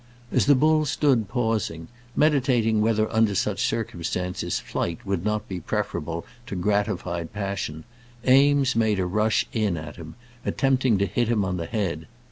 As the bull stood pausing, meditating whether under such circumstances flight would not be preferable to gratified passion, Eames made a rush in at him, attempting to hit him on the head.